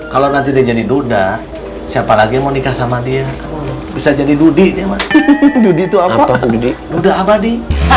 kalau nanti dia jadi duda siapa lagi mau nikah sama dia bisa jadi dudit dudit apa apa di ha hahaha